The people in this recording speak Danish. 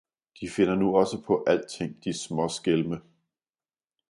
De finder nu også på alting, de småskælme!